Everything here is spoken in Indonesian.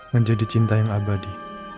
menjadi cinta yang abadi